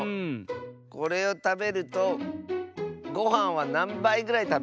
これをたべるとごはんはなんばいぐらいたべられますか？